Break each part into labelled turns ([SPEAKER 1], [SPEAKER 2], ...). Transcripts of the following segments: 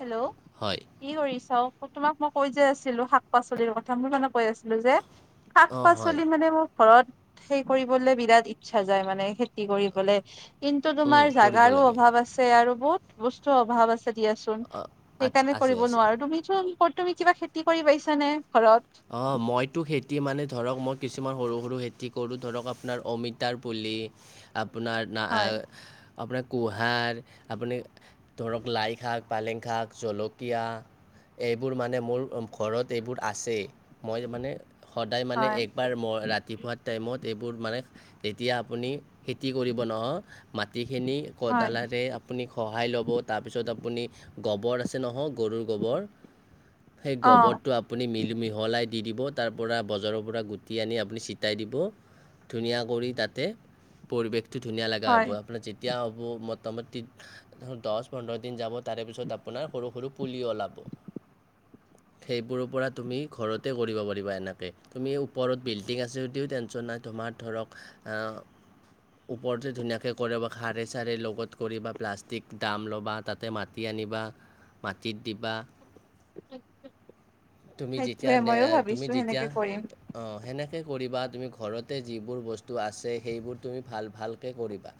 [SPEAKER 1] Hello
[SPEAKER 2] হয়
[SPEAKER 1] কি কৰিছ তোমাক মই কৈ যে আছিলো শাক পাচলিৰ কথা মই মানে কৈ আছিলো যে শাক
[SPEAKER 2] অঁ হয়
[SPEAKER 1] পাচলি মানে মোৰ ঘৰত সেই কৰিবলে বিৰাট ইচ্ছা যায় মানে খেতি কৰিবলে, কিন্তু
[SPEAKER 2] উম,
[SPEAKER 1] তোমাৰ
[SPEAKER 2] কৰিব
[SPEAKER 1] জাগাৰো
[SPEAKER 2] লাগে
[SPEAKER 1] অভাৱ আছে আৰু বহুত বস্তু অভাৱ আছে দিয়াচোন।
[SPEAKER 2] আছ
[SPEAKER 1] সেইকাৰণে
[SPEAKER 2] আছে
[SPEAKER 1] কৰিব
[SPEAKER 2] আছে
[SPEAKER 1] নোৱাৰো তুমি চো তুমি কিবা খেতি কৰি পাইছানে ঘৰত
[SPEAKER 2] অঁ মইতো খেতি মানে ধৰক মই কিছুমান সৰু সৰু খেতি কৰোঁ ধৰক আপোনাৰ অমিতাৰ পুলি আপোনাৰ ন
[SPEAKER 1] হয়
[SPEAKER 2] আপোনাৰ কুহাৰ আপুনি ধৰক লাই শাক, পালেং শাক, জলকীয়া এইবোৰ মানে মোৰ ঘৰত এইবোৰ আছেই মই মানে সদায় মানে
[SPEAKER 1] হয়
[SPEAKER 2] একবাৰ ম ৰাতিপুৱা টাইমত সেইবোৰ মানে তেতিয়া আপুনি খেতি কৰিব নহয় মাটি খিনি
[SPEAKER 1] হয়
[SPEAKER 2] কদালাৰে আপুনি সহায় ল'ব তাৰপিছত আপুনি গোবৰ আছে নহওক গৰুৰ গোবৰ সেই
[SPEAKER 1] অ
[SPEAKER 2] গোবৰটো আপুনি মিলিমি দি দিব তাৰ পৰা বজাৰৰ পৰা গুটি আনি আপুনি ছিটাই দিব ধুনীয়া কৰি তাতে পৰিৱেশটো ধুনীয়া লগা
[SPEAKER 1] হয়
[SPEAKER 2] হ'ব আপোনাৰ যেতিয়া মোটামুটি দহ পোন্ধৰ দিন যাব তাৰে পিছত আপোনাৰ সৰু সৰু পুলি ওলাব সেইবোৰৰ পৰা তুমি ঘৰতে কৰিব পাৰিবা এনেকৈ তুমি ওপৰত বিল্ডিং আছে যদিও টেনশ্যন নাই তোমাৰ ধৰক অ ওপৰতে ধুনীয়াকে কৰিব খাৰে চাৰে লগত কৰিব প্লাষ্টিক দাম ল'বা তাতে মাতি আনি যেনিবা মাটিত দিবা তুমি
[SPEAKER 1] সেইটোৱে
[SPEAKER 2] যেতিয়া নে
[SPEAKER 1] মইয়ো ভাবিছো সেনেকে কৰিম
[SPEAKER 2] এনেকৈ কৰিবা তুমি ঘৰতে যিবোৰ বস্তু আছে সেইবোৰ তুমি ভাল ভালকৈ কৰিবা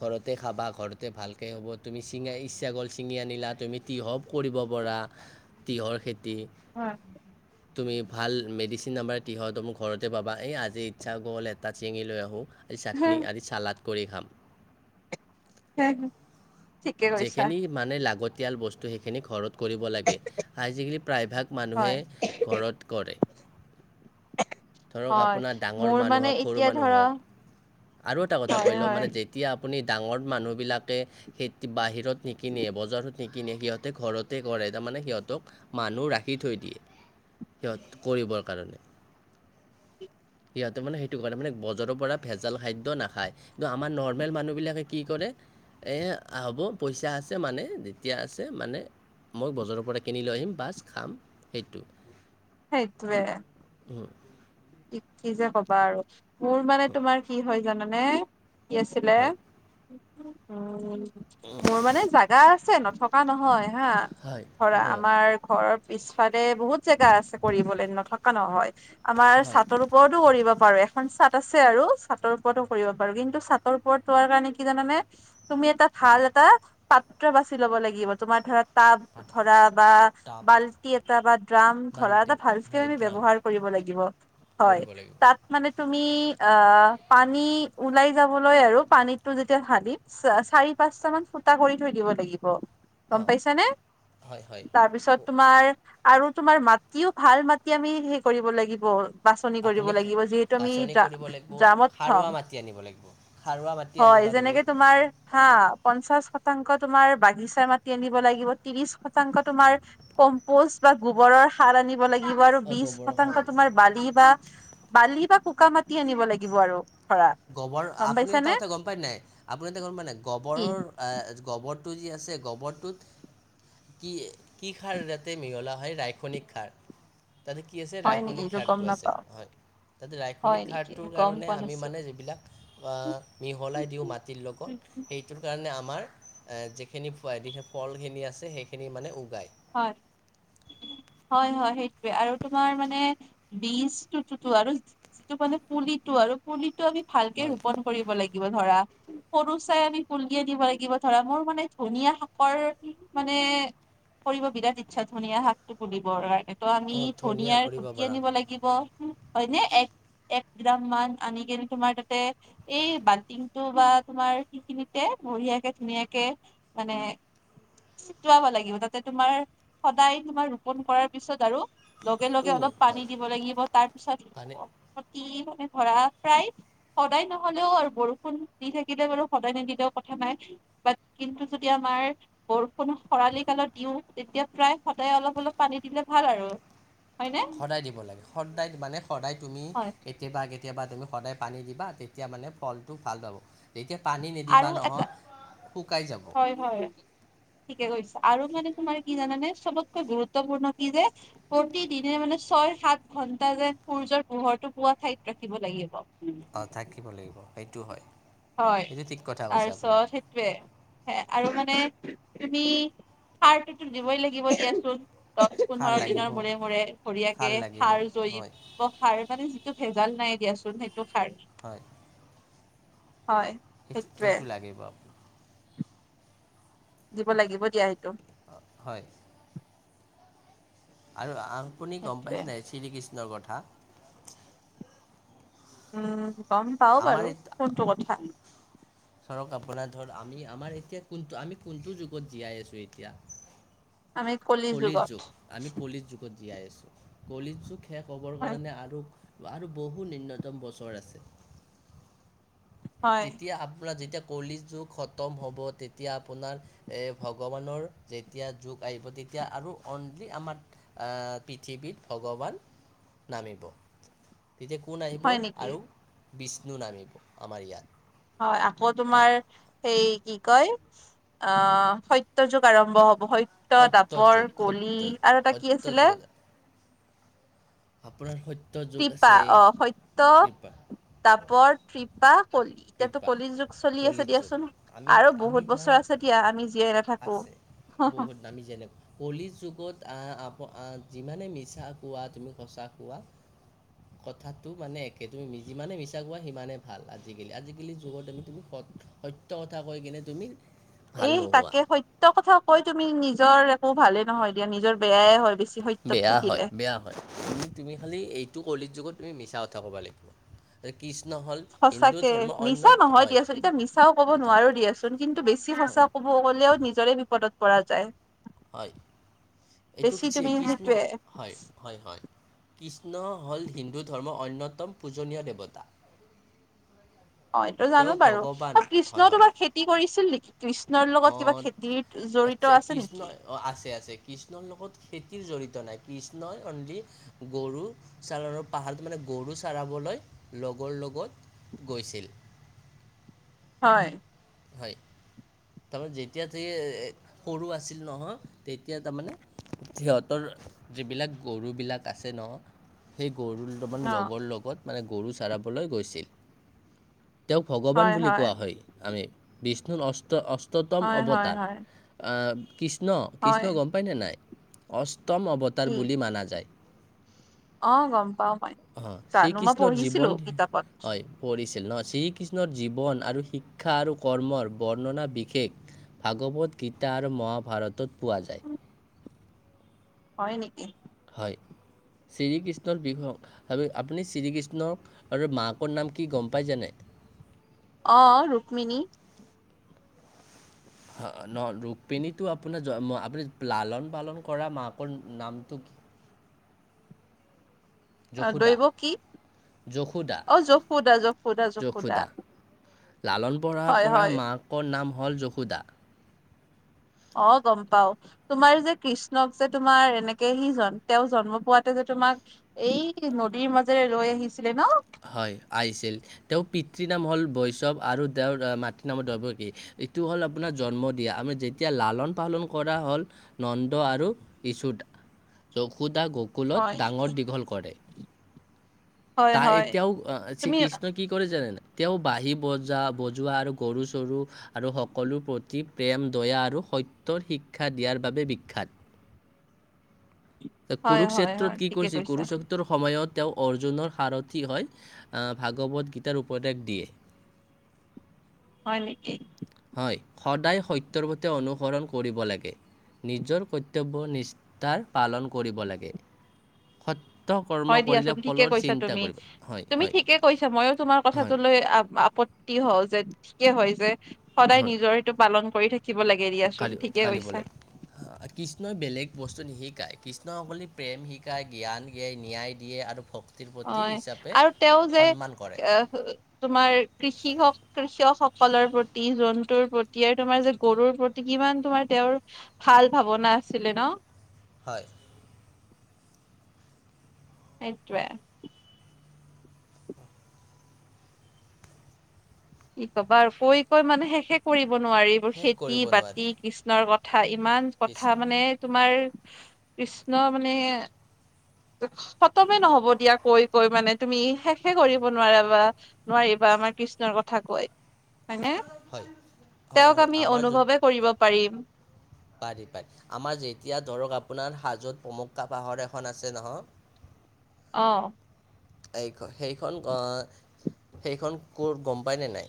[SPEAKER 2] ঘৰতে খাবা ঘৰতে ভালকে হ'ব তুমি চিঙা ইচ্ছা কৰল চিঙি আনিলা তুমি হব কৰিব পৰা তিঁহৰ খেতি
[SPEAKER 1] অ
[SPEAKER 2] তুমি ভাল মেডিচিন নাম্বাৰ কিহত মোক ঘৰতে পাবা এই আজি ইচ্ছা গ'ল এটা চিঙি লৈ আহোঁ। আদি চাটনি আদি চালাড কৰি খাম।
[SPEAKER 1] হম হু
[SPEAKER 2] যিখিনি মানে লাগতিয়াল বস্তু সেইখিনি ঘৰত কৰিব লাগে আজিকালি প্ৰায়ভাগ মানুহে
[SPEAKER 1] হয়
[SPEAKER 2] ঘৰত কৰে। ধৰক
[SPEAKER 1] হয়
[SPEAKER 2] আপোনাৰ ডাঙৰ
[SPEAKER 1] মোৰ
[SPEAKER 2] মানুহ
[SPEAKER 1] মানে
[SPEAKER 2] হওক সৰু
[SPEAKER 1] এতিয়া
[SPEAKER 2] মানুহ
[SPEAKER 1] ধৰা
[SPEAKER 2] হওক আৰু এটা কথা কৈ
[SPEAKER 1] হয়
[SPEAKER 2] লওঁ
[SPEAKER 1] হয়
[SPEAKER 2] মানে যেতিয়া আপুনি ডাঙৰ মানুহবিলাকে সেই বাহিৰত নিকিনে বজাৰত নিকিনে সিহঁতে ঘৰতে কৰে তাৰমানে সিহঁতক মানুহ ৰাখি থৈ সিহঁত কৰিবৰ কাৰণে।
[SPEAKER 1] [inaudible]
[SPEAKER 2] সিহঁতে মানে সেইটো কাৰণে মানে বজাৰৰ পৰা ভেজাল খাদ্য নাখায় কিন্তু আমাৰ নৰ্মেল মানুহবিলাকে কি কৰে। এ হ'ব পইচা আছে মানে যেতিয়া আছে মানে মই বজাৰৰ পৰা কিনি লৈ আহিম বাছ খাম সেইটো
[SPEAKER 1] সেইতোৱে
[SPEAKER 2] অ
[SPEAKER 1] কি যে কবা আৰু মোৰ মানে তোমাৰ কি হয় জানানে? কি আছিলে
[SPEAKER 2] হয়
[SPEAKER 1] উ মোৰ মানে জাগা আছে ন থকা নহয় হা
[SPEAKER 2] হয়
[SPEAKER 1] ধৰা
[SPEAKER 2] হয়
[SPEAKER 1] আমাৰ ঘৰৰ পিছফালে বহুত জেগা আছে কৰিবলৈ নথকা নহয় ছাতৰ ওপৰতো কৰিব পাৰে খন চাট আছে আৰু চাটৰ ওপৰতো কৰিব পাৰো কিন্তু চাটৰ ওপৰত ৰোৱাৰ কাৰণে কি জানে তুমি এ তাত ভাল এটা পাত্ৰ বাছি ল'ব লাগিব তোমাৰ ধৰা টাব ধৰা বা
[SPEAKER 2] হয়।
[SPEAKER 1] বাল্টি এটা বা ড্ৰাম ধৰা
[SPEAKER 2] বাল্টিং
[SPEAKER 1] এটা ভালকে
[SPEAKER 2] হয়
[SPEAKER 1] আমি
[SPEAKER 2] ড্ৰাম
[SPEAKER 1] ব্যৱহাৰ কৰিব লাগিব। হয়
[SPEAKER 2] কৰিব লাগিব
[SPEAKER 1] তাত মানে ত পান পানয়া সি পাঁচ মান ফুটা কৰি থৈ দিব লাগিব। গম
[SPEAKER 2] অঁ
[SPEAKER 1] পাইছানে
[SPEAKER 2] হয় হয়
[SPEAKER 1] তাৰপিছত তোমাৰ আৰু তোমাৰ মাটিও ভাল মাটি আমি হে কৰিব লাগিব। বাছনি কৰিব
[SPEAKER 2] আপুনি
[SPEAKER 1] লাগিব যিহেতু আমি
[SPEAKER 2] বাছনি কৰিব লাগিব
[SPEAKER 1] ড্ৰামত থম
[SPEAKER 2] সাৰুৱা মাটি আনিব লাগিব সাৰুৱা মাটি আনি
[SPEAKER 1] হয় যেনেকে তোমাৰ হা পঞ্চাশ শতাংশ তোমাৰ বাগিচা মাতি আনিব লাগিব ত্ৰিশ শতাংশ তোমাৰ কম্প বা গোবৰৰ সাৰ আনিব লাগে লিব আৰু
[SPEAKER 2] অঁ
[SPEAKER 1] বিশ
[SPEAKER 2] গোবৰৰ
[SPEAKER 1] শতাংশ
[SPEAKER 2] সৰে
[SPEAKER 1] তোমাৰ বালি বা বালি বা কোকা মাটি আনিব লাগিব আৰু ধৰা
[SPEAKER 2] গবৰ
[SPEAKER 1] গম
[SPEAKER 2] আপুনি
[SPEAKER 1] পাইছা
[SPEAKER 2] এটা
[SPEAKER 1] নে
[SPEAKER 2] কথা গম পায় নাই আপুনি এটা গম পায় নাই
[SPEAKER 1] কি
[SPEAKER 2] গোবৰৰ। গোবৰটো যি আছে গোবৰটোত কি কি খাৰ য়াতে মিহলা হয় ৰাইয়নিক সাৰ তাতে কি আছে
[SPEAKER 1] হয় নেকি
[SPEAKER 2] ৰাসায়নিক
[SPEAKER 1] এইটো গম
[SPEAKER 2] সাৰটো আছে
[SPEAKER 1] নাপাও
[SPEAKER 2] হয় তাতে
[SPEAKER 1] হয়
[SPEAKER 2] ৰাসায়নিক
[SPEAKER 1] নেকি
[SPEAKER 2] সাৰটোৰ
[SPEAKER 1] গম
[SPEAKER 2] কাৰণে
[SPEAKER 1] পোৱা
[SPEAKER 2] আমি মানে
[SPEAKER 1] নাছিলো
[SPEAKER 2] মিহলাই দিও মাটিৰ লগত হেইটো কাৰণে আমাৰ যিখিনিৱ ফলখিনি আছে সেইখিনি মানে উগায়।
[SPEAKER 1] হয় [unintelligible]
[SPEAKER 2] [unintelligible] [inaudible]
[SPEAKER 1] হয় হয় সেইটোৱে আৰু তোমাৰ মানে বীজটুটো আৰু যিটো মানে পুলি আৰু পুলিটো আমি ভালকে
[SPEAKER 2] হয়
[SPEAKER 1] ৰোপন কৰিব লাগিব ধৰা। সৰু চাই আমি পুলি আনিব লাগিব ধৰা মোৰ মানে ধুনীয়া শাকৰ মানে কৰিবব বিৰাট ইচ্ছা ধুনীয়া শাকটো তুলিবৰ কাৰণে। ত আমি
[SPEAKER 2] অঁ ধুনীয়া
[SPEAKER 1] ধনিয়াৰ
[SPEAKER 2] কৰিব
[SPEAKER 1] গুটি
[SPEAKER 2] পৰা
[SPEAKER 1] আনিব লাগিব হয় নে এক এক গ্ৰাম মান আনি কিনে তোমাৰ তাতে এই বাল্টিংটো বা তোমাৰ সেইখিনিতে বঢ়িয়াকে ধুনীয়াকে মানে চটুৱাব লাগিব তাতে। তোমাৰ সদায় তোমাৰ ৰোপন কৰাৰ পিছত আৰু লগে লগে অলপ পানী
[SPEAKER 2] হয়
[SPEAKER 1] দিব লাগিব তাৰপিছত
[SPEAKER 2] পানী
[SPEAKER 1] মানে। ধৰা প্ৰায় সদায় নহলেও আৰু বৰষুণ দি থাকিলে বাৰু সদায় নিদিলেও কথা নাই। কিন্তু যদি আমাৰ বৰষুণো খৰালি কালত। দিওঁ তেতিয়া প্ৰায় সদায় অলপ অলপ পানী দিলে ভাল আৰু। হয়নে
[SPEAKER 2] সদায় দিব লাগে সদায় মানে সদায় তুমি
[SPEAKER 1] হয়
[SPEAKER 2] কেতিয়াবা। কেতিয়াবা তুমি সদায় পানী দিবা তেতিয়া মানে ফলটো ভাল পাব। তেতিয়া পানী নিদিবা
[SPEAKER 1] আৰু এটা
[SPEAKER 2] নহয় শুকাই যাব।
[SPEAKER 1] হয় হয় ঠিকে কৈছা আৰু মানে তোমাৰ কি জানানে চবতকৈ গুৰুত্বপূৰ্ণ কি যে প্ৰতিদিনে মানে মানে ছয় সাত ঘন্টা যেন সূৰ্যৰ পোহৰটো পুৱা ঠাইত ৰাখিব লাগিব
[SPEAKER 2] থাকিব লাগিব সেইটো হয়।
[SPEAKER 1] হয়
[SPEAKER 2] সেইটো ঠিক কথা কৈছে আপুনি
[SPEAKER 1] তাৰপিছত সেইটোয়ে আৰু মানে। তুমি সাৰটোতো দিবই লাগিব দিয়াচোন। দহ
[SPEAKER 2] সাৰ
[SPEAKER 1] পোন্ধৰ
[SPEAKER 2] লাগিব
[SPEAKER 1] দিনৰ মূৰে মূৰে সৰিয়াকে
[SPEAKER 2] লাগিব
[SPEAKER 1] সাৰ
[SPEAKER 2] হয়
[SPEAKER 1] জয় সাৰ মানে যিটো ভেজাল নাই দিয়াচোন সেইটো সাৰ
[SPEAKER 2] হয়
[SPEAKER 1] হয়
[SPEAKER 2] সেইটো
[SPEAKER 1] সেইটোৱে
[SPEAKER 2] সেইটো লাগিব আপোনাক
[SPEAKER 1] দিব লাগিব দিয়া সেইটো।
[SPEAKER 2] হয় আৰু আপুনি গম
[SPEAKER 1] সেইটোৱে
[SPEAKER 2] পাইছেনে শ্ৰীকৃষ্ণৰ কথা
[SPEAKER 1] উম গম পাও
[SPEAKER 2] আমাৰ
[SPEAKER 1] বাৰু
[SPEAKER 2] এত-
[SPEAKER 1] কোনটো কথা।
[SPEAKER 2] ধৰক আপোনাৰ ধৰ আমি আমাৰ এতিয়া কোনটো আমি কোনটো যুগত জীয়াই আছো এতিয়া।
[SPEAKER 1] আমি কলি
[SPEAKER 2] কলিৰ
[SPEAKER 1] যুগত
[SPEAKER 2] যুগ আমি কলিৰ যুগত জীয়াই আছো কলিৰ যুগ শেষ ক হ'বৰ
[SPEAKER 1] হয়
[SPEAKER 2] কাৰণে আৰু আৰু বহু নিম্নতম বছৰ আছে।
[SPEAKER 1] হয়
[SPEAKER 2] তেতিয়া আপোনাৰ যেতিয়া। কলি যুগ খতম হ'ব তেতিয়া আপোনাৰ এ ভগৱানৰ যেতিয়া যুগ আহিব। এতিয়া আৰু অনলি আমাৰ পৃথিৱীত ভগৱান নামিব তেতিয়া কোন আহিব
[SPEAKER 1] হয় নেকি
[SPEAKER 2] আৰু বিষ্ণু নামিব আমাৰ ইয়াত
[SPEAKER 1] হয় আকৌ তোমাৰ সেই কি কয় অ সত্য যুগ আৰম্ভ হ'ব সত্য, দ্বাপৰ,
[SPEAKER 2] যুগ
[SPEAKER 1] কলি
[SPEAKER 2] সত্য
[SPEAKER 1] আৰু এটা কি
[SPEAKER 2] সত্য
[SPEAKER 1] আছিলে?
[SPEAKER 2] যুগত আপোনাৰ সত্য যুগ
[SPEAKER 1] টিপা
[SPEAKER 2] আছে
[SPEAKER 1] অ সত্য
[SPEAKER 2] কৃপা
[SPEAKER 1] দ্বাপৰ, তৃপা কলি এতিয়াতো
[SPEAKER 2] কৃপা
[SPEAKER 1] কলিৰ যুগ চলি
[SPEAKER 2] কলি
[SPEAKER 1] আছে
[SPEAKER 2] যুগ
[SPEAKER 1] দিয়াচোন
[SPEAKER 2] আমি
[SPEAKER 1] আৰু
[SPEAKER 2] আমি
[SPEAKER 1] বহুত বছৰ
[SPEAKER 2] ধৰক
[SPEAKER 1] আছে। তেতিয়া আমি জীয়াই নাথাকো।
[SPEAKER 2] আছে বহুত নামি যেনে কলি যুগত আহ আপ যিমানে মিছা কোৱা তুমি সঁচা হোৱা কথাটো মানে একে তুমি যিমানে মিছা কোৱা সিমানে ভাল। আজিকালি আজিকালি যুগত আমি তুমি সত্য কথা কৈ কিনে তুমি
[SPEAKER 1] এ
[SPEAKER 2] ভাল নোহোৱা
[SPEAKER 1] তাকে সত্য কথা কৈ তুমি নিজৰ একো ভালে নহয় দিয়া নিজৰ বেয়াই হয় বেছি। সত্যত
[SPEAKER 2] বেয়া
[SPEAKER 1] থাকিলে
[SPEAKER 2] হয় বেয়া হয় তুমি খালি এইটো কলিত যুগত তুমি মিছা কথা ক'ব লাগিব কৃষ্ণ হ'ল হিন্দু
[SPEAKER 1] সঁচাকে
[SPEAKER 2] ধৰ্মৰ অন্য
[SPEAKER 1] মিছা নহয়
[SPEAKER 2] হয়
[SPEAKER 1] দিয়াচোন এতিয়া মিছাও কব
[SPEAKER 2] কথাত
[SPEAKER 1] নোৱাৰো দিয়াচোন কিন্তু বেছি
[SPEAKER 2] হয়
[SPEAKER 1] সঁচা কব কলেও নিজৰে বিপদত পৰা যায়।
[SPEAKER 2] হয় এইটো
[SPEAKER 1] বেছি
[SPEAKER 2] কি এক
[SPEAKER 1] তুমি
[SPEAKER 2] শ্ৰীকৃষ্ণ
[SPEAKER 1] সেইটোয়ে
[SPEAKER 2] হয় হয় হয় কৃষ্ণ হ'ল হিন্দু ধৰ্মৰ অন্যতম পূজনীয় দেৱতা।
[SPEAKER 1] অ এইটো জানো
[SPEAKER 2] তেওঁক
[SPEAKER 1] বাৰু
[SPEAKER 2] ভগৱান হয়
[SPEAKER 1] কৃষ্ণ
[SPEAKER 2] হয়
[SPEAKER 1] তোমাৰ খেতি কৰিছিল নেকি? কৃষ্ণৰ লগত কিবা খেতিত জড়িত আছে
[SPEAKER 2] কৃষ্ণ
[SPEAKER 1] নেকি?
[SPEAKER 2] আছে আছে কৃষ্ণৰ লগত খেতিৰ জড়িত নাই? কৃষ্ণই অনলি গৰু সাগৰ আৰু পাহাৰটো মানে গৰু চৰাবলৈ লগৰ লগত গৈছিল।
[SPEAKER 1] হয়।
[SPEAKER 2] হয় তাৰমানে যেতিয়া সৰু আছিল নহয়। তেতিয়া তাৰমানে সিহঁতৰ যিবিলাক গৰুবিলাক আছে ন সেই
[SPEAKER 1] অ
[SPEAKER 2] কৃষ্ণই লগৰ লগত মানে গৰু চৰাবলৈ গৈছিল। তেওঁক ভগৱান বুলি কোৱা হয়। আমি বিষ্ণুৰ অষ্ট অ অষ্টতম
[SPEAKER 1] হয় হয়
[SPEAKER 2] অৱতাৰ
[SPEAKER 1] হয়
[SPEAKER 2] কৃষ্ণ
[SPEAKER 1] হয়
[SPEAKER 2] কৃষ্ণ গম পায়নে নাই অষ্ট উত্তম অৱতাৰ
[SPEAKER 1] কি
[SPEAKER 2] বুলি মানা যায়।
[SPEAKER 1] অ গম পাম।
[SPEAKER 2] অ শ্ৰীকৃষ্ণৰ জীৱন
[SPEAKER 1] কিতাপত
[SPEAKER 2] হয়। পৰিচ ন শ্ৰীকৃষ্ণৰ জীৱন আৰু শিক্ষা আৰু কৰ্মৰ বৰ্ণনা বিশেষ ভাগৱত গীতা আৰু মহাভাৰতত পোৱা যায়।
[SPEAKER 1] হয় নেকি।
[SPEAKER 2] হয়। শ্ৰীকৃষ্ণৰ বিষয়ে আপুনি শ্ৰীকৃষ্ণ আৰু মাকৰ নাম কি গম পাই জাননে? [unintelligible] [inaudible]
[SPEAKER 1] অ ৰুক্মিণী
[SPEAKER 2] ন ৰুক্মিণী আপোনাৰ আপুনি লালন পালন কৰা মাকৰ নামটো কি? [unintelligible] [inaudible]
[SPEAKER 1] আহ
[SPEAKER 2] যশোদা
[SPEAKER 1] দৈৱকী
[SPEAKER 2] যশোদা
[SPEAKER 1] অ যশোদা যশোদা।
[SPEAKER 2] লালন পালন
[SPEAKER 1] হয়
[SPEAKER 2] কৰা
[SPEAKER 1] হয়
[SPEAKER 2] মাকৰ নাম হ'ল যশোদা।
[SPEAKER 1] অ গম পাও তোমাৰ যে কৃষ্ণক যে তোমাৰ এনেকে সিজন তেওঁ জন্ম পোৱাতে যে। তোমাক এই নদীৰ মাজেৰে লৈ আহিছিলে ন।
[SPEAKER 2] হয় আহিছিল তেওঁৰ পিতৃ নাম হ'ল বৈষ্ণৱ আৰু তেওঁৰ মাতৃ নাম দৈৱকী। এইটো হ'ল আপোনাৰ জন্ম দিয়া আমাৰ যেতিয়া লালন পালন কৰা হ'ল নন্দ আৰু যশো যশোদা
[SPEAKER 1] হয়
[SPEAKER 2] গকুলত
[SPEAKER 1] নেকি?
[SPEAKER 2] ডাঙৰ দীঘল কৰে।
[SPEAKER 1] হয়
[SPEAKER 2] তাই
[SPEAKER 1] হয়
[SPEAKER 2] এতিয়াও শ্ৰী
[SPEAKER 1] তুমি
[SPEAKER 2] কৃষ্ণ কি কৰে জানেনে, তেওঁ বাঁহী বজা বজোৱা আৰু গৰু চৰু আৰু সকলো প্ৰতি প্ৰেম দয়া আৰু [unintelligible] সত্যৰ শিক্ষা দিয়াৰ বাবে বিখ্যাত।
[SPEAKER 1] হয় হয় হয়
[SPEAKER 2] কুৰুক্ষেত্ৰত কি
[SPEAKER 1] ঠিকে
[SPEAKER 2] কৰিছে
[SPEAKER 1] কৈছা
[SPEAKER 2] কুৰুক্ষেত্ৰ সময়ত তেওঁ অৰ্জুনৰ সাৰথী হৈ ভাগৱত গীতাৰ উপদেশ দিয়ে। [inaudible]
[SPEAKER 1] হয় নেকি।
[SPEAKER 2] হয় সদায় সত্যৰ প্ৰতি অনুসৰণ কৰিব লাগে। নিজৰ কৰ্তব্য নিষ্ঠাৰে পালন কৰিব লাগে স
[SPEAKER 1] হয় দিয়াচোন ঠিকে কৈছা তুমি
[SPEAKER 2] হয়
[SPEAKER 1] তুমি
[SPEAKER 2] হয়
[SPEAKER 1] ঠিকে কৈছা ময়ো তোমাৰ
[SPEAKER 2] হয়
[SPEAKER 1] কথাটো লৈ আপত্তি হ যে ঠিকে হয় যে সদায়
[SPEAKER 2] হয়
[SPEAKER 1] নিজৰ সেইটো পালন কৰি থাকে
[SPEAKER 2] কালি কালি বলোগ কৃষ্ণই বেলেগ [unintelligible] বস্তু শিকায় কৃষ্ণসকলে প্ৰেম শিকায় জ্ঞান দিয়ে ন্যায় দিয়ে আৰু ভক্ত
[SPEAKER 1] হয় আৰু তেওঁ যে
[SPEAKER 2] কৰে
[SPEAKER 1] এ তোমাৰ কৃষি হওক কৃষক হওক সকলৰ প্ৰতি জন্তুৰ প্ৰতি আৰু তোমাৰ যে গৰুৰ প্ৰতি কিমান তোমাৰ তেওঁৰ ভাল ভাৱনা আছিলে ন
[SPEAKER 2] হয়
[SPEAKER 1] সেটোৱে কি কবা আৰু কৈ কৈ মানে শেষে কৰিব নোৱাৰি এইবোৰ
[SPEAKER 2] শেষ
[SPEAKER 1] খেতি
[SPEAKER 2] কৰিব নোৱাৰি
[SPEAKER 1] বাতি কৃষ্ণৰ কথা ইমান কথা
[SPEAKER 2] কৃষ্ণ
[SPEAKER 1] মানে তোমাৰ কৃষ্ণ মানে খতমে নহব দিয়া কৈ কৈ মানে তুমি শেষে কৰিব নোৱাৰাবা নোৱাৰিবা আমাৰ কৃষ্ণৰ কথা কয় হয়নে
[SPEAKER 2] হয় হয়
[SPEAKER 1] তেওঁক
[SPEAKER 2] হয়
[SPEAKER 1] আমি
[SPEAKER 2] আমাৰ যোন
[SPEAKER 1] অনুভৱে কৰিব পাৰিম
[SPEAKER 2] পাৰি পাৰি আমাৰ যেতিয়া ধৰক আপোনাৰ হাজোত পমক্কা পাহৰ এখন আছে নহয়
[SPEAKER 1] অহ
[SPEAKER 2] সেইখন সেইখন ক'ত গম পায়নে নাই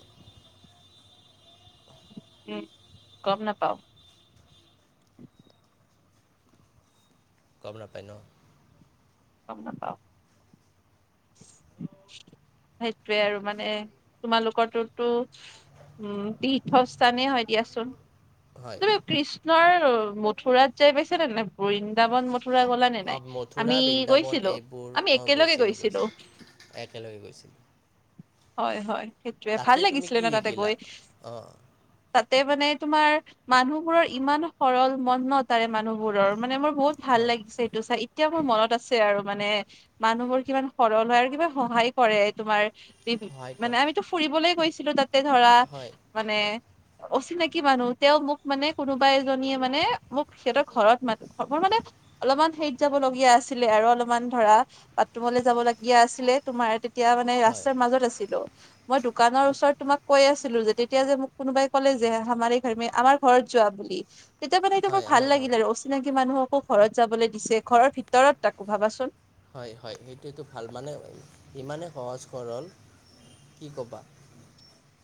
[SPEAKER 1] উম গম নাপাও
[SPEAKER 2] গম নাপাই ন
[SPEAKER 1] কামনত [unintelligible] সেইটোয়ে আৰু মানে তোমালোকৰতোতো [unintelligible] উম তীৰ্থস্থানে হয় দিয়াচোন
[SPEAKER 2] হয়
[SPEAKER 1] তুমি কৃষ্ণৰ মথুৰাত যাই পাইছে নে নাই গৈ [unintelligible] যাবন মথুৰা গলা নে নাই আমি
[SPEAKER 2] দাবন
[SPEAKER 1] গৈছিলো
[SPEAKER 2] এইবোৰ
[SPEAKER 1] আমি
[SPEAKER 2] অ
[SPEAKER 1] একেলগে
[SPEAKER 2] গৈছিলো গৈছিলো একেলগে গৈছিলো
[SPEAKER 1] হয় হয় সেইটোৱে ভাল লাগিছিলে
[SPEAKER 2] কি
[SPEAKER 1] ন তাতে
[SPEAKER 2] শিকিলা
[SPEAKER 1] গৈ
[SPEAKER 2] অঁ
[SPEAKER 1] তাতে মানে তোমাৰ মানুহবোৰৰ ইমান সৰল মন ন তাৰে মানুহবোৰৰ মানে মোৰ বহুত ভাল
[SPEAKER 2] হয়
[SPEAKER 1] লাগিছে এইটো চাই এতিয়া মোৰ মনত আছে আৰু মানে মানুহবোৰ কিমান সৰল হয় আৰু কিবা সহায় কৰে তোমাৰ
[SPEAKER 2] সহায়
[SPEAKER 1] মানে
[SPEAKER 2] কৰে
[SPEAKER 1] আমিতো ফুৰিবলৈ গৈছিলো তাতে ধৰা
[SPEAKER 2] হয়
[SPEAKER 1] মানে
[SPEAKER 2] হয়
[SPEAKER 1] অচিনাকি কি মানুহ তেওঁ মোক মানে কোনোবা এজনীয়ে মানে মোক সিহঁতৰ ঘৰত মান মোৰ মানে অলপমান হেত যাব লগীয়া আছিলে আৰু অলপমান ধৰা বাথৰুমলৈ যাব লগীয়া আছিলে তোমাৰ তে তিয়া মানে ৰা
[SPEAKER 2] হয়
[SPEAKER 1] ষ্টাত নাছিলো মই দোকানৰ ওচৰত তোমাক কৈ আ ছিলো যে তেতিয়া যে মোক কোনোবাই ক'লে যে হামাৰে ঘৰ মে আমাৰ ঘৰত যোৱা বুলি তেতিয়া মানে এইটো মোৰ
[SPEAKER 2] হয় আমাৰ
[SPEAKER 1] ভাল
[SPEAKER 2] ঘৰ
[SPEAKER 1] লাগিল আৰু অচিনাকি মানুহকো ঘৰত যাবলৈ দিছে ঘৰৰ ভিতৰত তাকো ভাবাচোন
[SPEAKER 2] হয় হয় সেইটোতো ভাল মানে ইমানেই সহজ সৰল কি ক'বা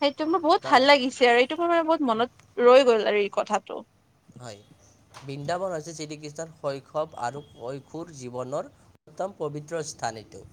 [SPEAKER 1] সেইটো মোৰ বহুত
[SPEAKER 2] মানে
[SPEAKER 1] ভাল লাগিছে আৰু এইটো মোৰ মানে বহুত মনত ৰৈ গ'ল আৰু এই কথাটো
[SPEAKER 2] হয় বৃন্দাবন হৈছে শ্ৰীকৃষ্ণৰ শৈশৱ আৰু কৈশোৰ জীৱনৰ উত্তম পবিত্ৰ স্থান এইটো